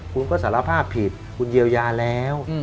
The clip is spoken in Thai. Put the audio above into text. คุณก็สารภาพผิดคุณเยียวยาแล้ว